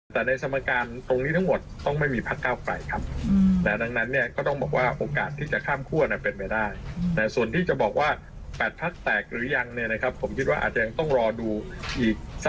แล้วจะมาประชุมแปดพักรุ่นแก้อย่างเร่งด่วนเลยหน้าก็เป็นสัญญาณที่อาจจะทำให้แนวโน้มของการที่จะ